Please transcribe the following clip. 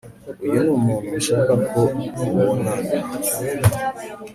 uyu numuntu nshaka ko mubonana